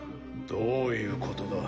どういうことだ？